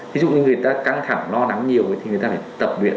ví dụ như người ta căng thẳng lo nắng nhiều thì người ta phải tập nguyện